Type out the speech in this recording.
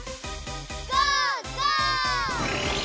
ゴーゴー！